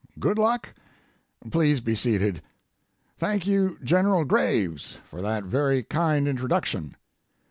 Good luck. Please be seated. Thank you, General Graves, for that very kind introduction.